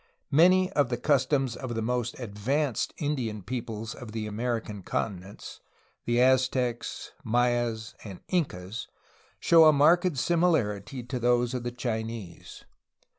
Many of the customs of the most advanced Indian peoples of the American continents, the Aztecs, Mayas, and Incas, show a marked similarity to those of the Chinese.